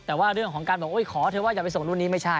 แต่ว่าเรื่องของการบอกขอเธอว่าอย่าไปส่งนู่นนี่ไม่ใช่